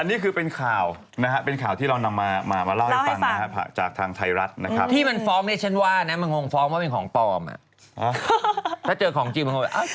อันนี้คือเป็นข่าวเป็นข่าวที่เรานำมาเล่าให้ฟันนะครับ